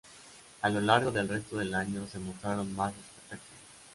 A lo largo del resto del año, se mostraron más espectáculos.